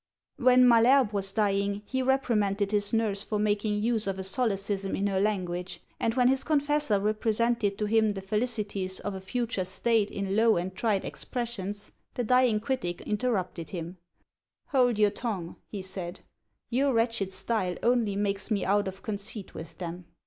When Malherbe was dying, he reprimanded his nurse for making use of a solecism in her language; and when his confessor represented to him the felicities of a future state in low and trite expressions, the dying critic interrupted him: "Hold your tongue," he said; "your wretched style only makes me out of conceit with them!"